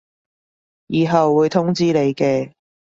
以後會通知你嘅